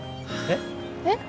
えっ？えっ？